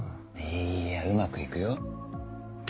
いやうまく行くよ。